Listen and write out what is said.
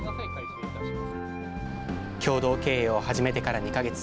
共同経営を始めてから２か月。